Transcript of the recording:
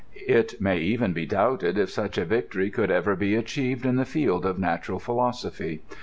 It may even be doubted if such a victory could ever be achieved in the field of natural philosophy.